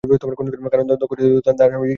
কারণ দক্ষ সতী ও তার স্বামী শিবকে অপমান করেছিলেন।